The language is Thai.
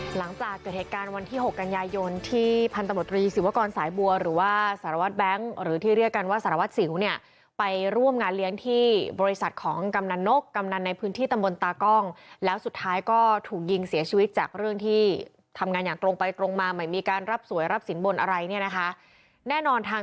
หลังจากเกิดเหตุการณ์วันที่๖กันยายนที่พันตำรวจรีศิวกรสายบัวหรือว่าสารวัตรแบงค์หรือที่เรียกกันว่าสารวัตรสิวเนี่ยไปร่วมงานเลี้ยงที่บริษัทของกำนันนกกำนันในพื้นที่ตำบลตากล้องแล้วสุดท้ายก็ถูกยิงเสียชีวิตจากเรื่องที่ทำงานอย่างตรงไปตรงมาไม่มีการรับสวยรับสินบนอะไรเนี่ยนะคะแน่นอนทาง